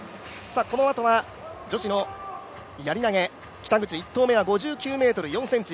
このあとは女子のやり投、北口１投目は５９ｍ４ｃｍ。